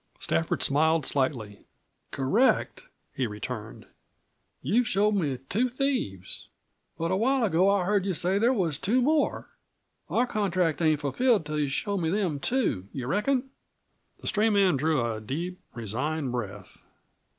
Stafford smiled slightly. "Correct!" he returned. "You've showed me two thieves. But a while ago I heard you say that there was two more. Our contract ain't fulfilled until you show me them too. You reckon?" The stray man drew a deep, resigned breath.